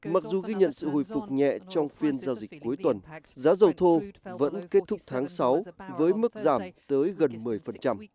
mặc dù ghi nhận sự hồi phục nhẹ trong phiên giao dịch cuối tuần giá dầu thô vẫn kết thúc tháng sáu với mức giảm tới gần một mươi